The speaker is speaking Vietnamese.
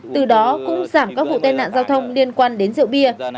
từ đó cũng giảm các vụ tai nạn giao thông liên quan đến rượu bia